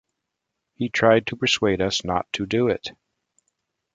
He tried to persuade us not to do it.